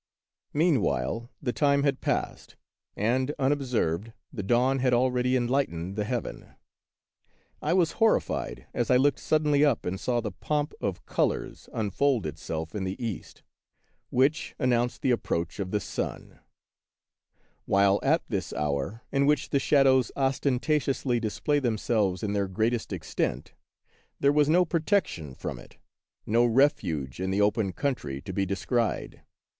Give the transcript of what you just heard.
Meanwhile the time had passed, and, unob served, the dawn had already enlightened the 86 The Wonderful History heaven. I was horrified as I looked suddenly up and saw the pomp of colors unfold itself in the east, which announced the approach of the sun ; while at this hour, in which the shadows ostentatiously display themselves in their great est extent, there was no protection from it, no refuge in the open country to be descried.